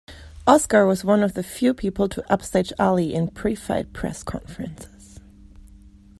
Oscar was one of the few people to upstage Ali in pre-fight press conferences.